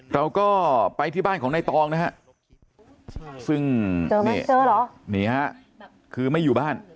เราก็ไปที่บ้านของในตองนะครับซึ่งคือไม่อยู่บ้าน